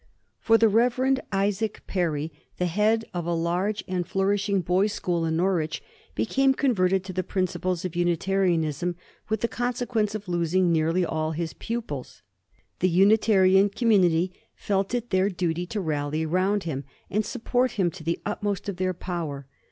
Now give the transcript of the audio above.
For the Rev. Isaac Perry, the head of a large and flourishing boys' school in Norwich, became converted to the principles of Unitarianism, with the consequence of losing nearly all his pupils. The Unitarian community felt it their duty to rally round him, and support him to the utmost of their power.